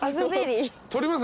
撮ります？